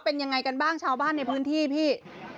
เป็นยังไงกันบ้างชาวบ้านในพื้นที่พี่